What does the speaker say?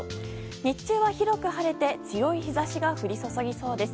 日中は広く晴れて強い日差しが降り注ぎそうです。